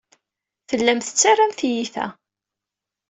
Tellam tettarram tiyita.